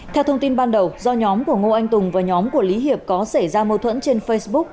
theo thông tin ban đầu do nhóm của ngô anh tùng và nhóm của lý hiệp có xảy ra mâu thuẫn trên facebook